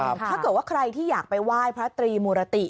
ถ้าเกิดว่าใครที่อยากไปไหว้พระตรีมุรติ